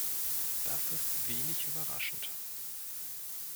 Das ist wenig überraschend.